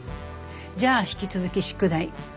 じゃあ引き続き宿題。